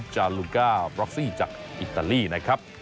จากลูก้าบล็อกซี่จากอิตาลีนะครับ